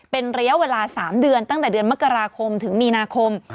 เป็นระยะเวลา๓เดือนตั้งแต่เดือนมกราคมถึงมีนาคม